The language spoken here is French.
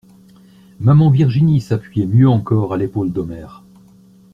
Maman Virginie s'appuyait mieux encore à l'épaule d'Omer.